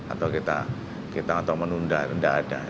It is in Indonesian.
atau kita atau menunda tidak ada